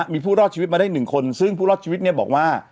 มีผู้รอดชีวิตมาได้๑คนซึ่งผู้รอดชีวิตเนี่ยบอกว่า